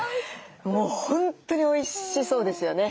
もう本当においしそうですよね。